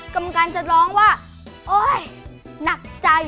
กรรมการจะร้องว่าโอ๊ยหนักใจ